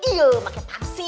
iya pakai pangsi